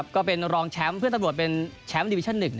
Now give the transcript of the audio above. ก็เป็นรองแชมป์เพื่อนตำรวจเป็นแชมป์ดิวิชั่น๑